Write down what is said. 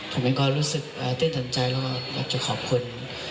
ผมเองก็รู้สึกตื่นตันใจแล้วก็อยากจะขอบคุณ